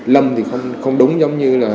lâm thì không đúng giống như là